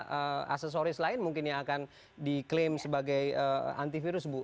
nanti setelah kalung nanti akan ada aksesoris lain mungkin yang akan diklaim sebagai antivirus bu